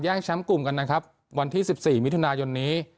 แชมป์กลุ่มกันนะครับวันที่๑๔มิถุนายนนี้